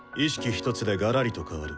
一つでがらりと変わる。